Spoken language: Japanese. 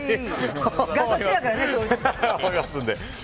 がさつやからね。